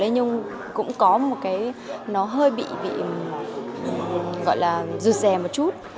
nó hơi bị gọi là rượt rè một chút